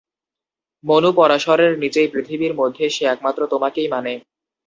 মনু-পরাশরের নীচেই পৃথিবীর মধ্যে সে একমাত্র তোমাকেই মানে।